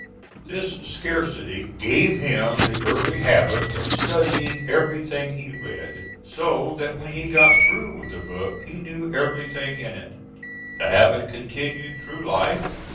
This scarcity gave him the early habit of studying everything he read, so that when he got through with a book, he knew everything in it. The habit continued through life.